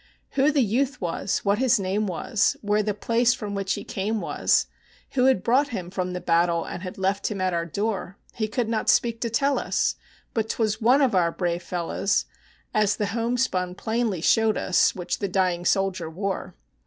Who the youth was, what his name was, where the place from which he came was, Who had brought him from the battle, and had left him at our door, He could not speak to tell us; but 't was one of our brave fellows, As the homespun plainly showed us which the dying soldier wore.